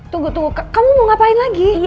tunggu tunggu kamu mau ngapain lagi